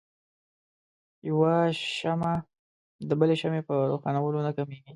يوه شمعه د بلې شمعې په روښانؤلو نه کميږي.